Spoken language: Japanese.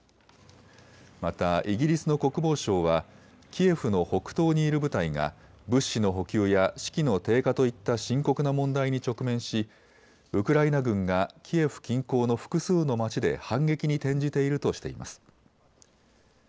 またイギリスの国防省はキエフの北東にいる部隊が物資の補給や士気の低下といった深刻な問題に直面しウクライナ軍がキエフ近郊の複数の町で反撃に転じているとしています。